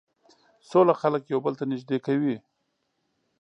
سوله خلک یو بل ته نژدې کوي.